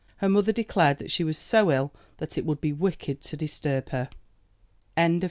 Her mother declared that she was so ill that it would be wicked to disturb her. CHAPTER III.